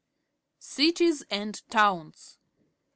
Cities and Towns.